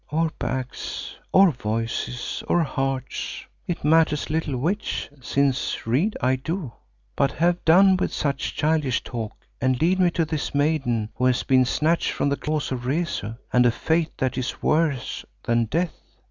"Or backs, or voices, or hearts. It matters little which, since read I do. But have done with such childish talk and lead me to this maiden who has been snatched from the claws of Rezu and a fate that is worse than death.